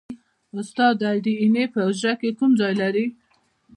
استاده ډي این اې په حجره کې کوم ځای لري